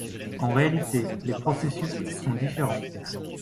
En réalité, les processus sont différents.